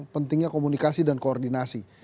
pentingnya komunikasi dan koordinasi